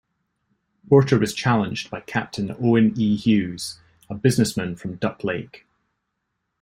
Porter was challenged by Captain Owen E. Hughes, a business man from Duck Lake.